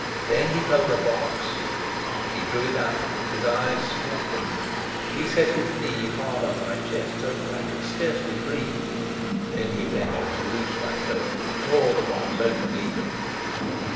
Then he felt the box, he drew it out, his eyes sparkled. He set his knee hard on my chest, so that I could scarcely breathe; then he ventured to loose my throat, and tore the box open eagerly.